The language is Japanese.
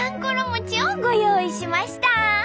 餅をご用意しました。